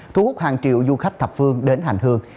thu hút hàng triệu du khách thập phương đến hành hương